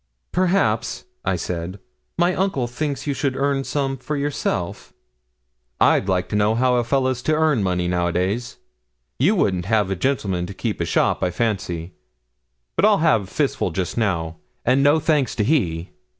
'Perhaps,' I said, 'my uncle thinks you should earn some for yourself.' 'I'd like to know how a fella's to earn money now a days. You wouldn't have a gentleman to keep a shop, I fancy. But I'll ha' a fistful jist now, and no thanks to he.